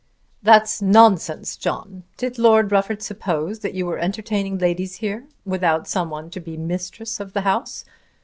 '" "That's nonsense, John. Did Lord Rufford suppose that you were entertaining ladies here without some one to be mistress of the house?